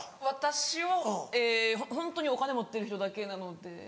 私はホントにお金持ってる人だけなので。